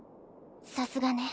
さすがね。